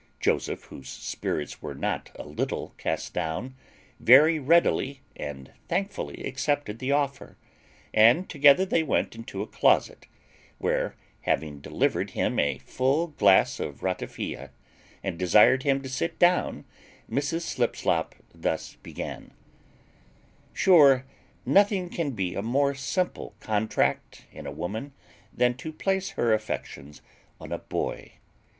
Joseph, whose spirits were not a little cast down, very readily and thankfully accepted the offer; and together they went into a closet, where, having delivered him a full glass of ratafia, and desired him to sit down, Mrs. Slipslop thus began: "Sure nothing can be a more simple contract in a woman than to place her affections on a boy.